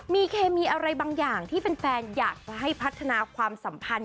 มีเคมีอะไรบางอย่างที่แฟนอยากจะให้พัฒนาความสัมพันธ์